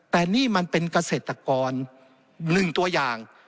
แต่นี่มันเป็นเกษตรกร๑ตัวอย่าง